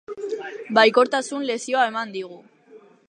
Baikortasun lezioa eman digu.